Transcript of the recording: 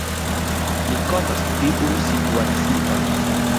Ni konas tiun situacion.